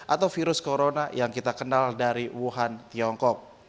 atau virus corona yang kita kenal dari wuhan tiongkok